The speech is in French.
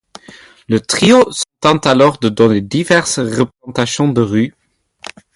Le trio se contente alors de donner diverses représentations de rue.